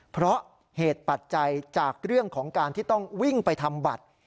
เพราะเหตุปัจจัยจากเรื่องของการที่ต้องวิ่งไปทำบัตร